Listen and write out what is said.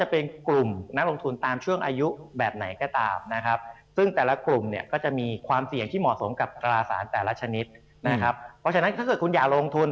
เพราะฉะนั้นถ้าเกิดคุณอยากลงทุน